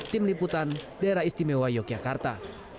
tim liputan daerah istimewa yogyakarta